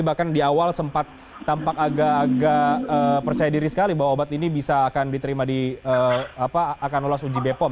bahkan di awal sempat tampak agak agak percaya diri sekali bahwa obat ini bisa akan diterima di akan lolos uji bepom